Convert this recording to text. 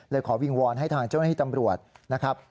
ขอวิงวอนให้ทางเจ้าหน้าที่ตำรวจนะครับ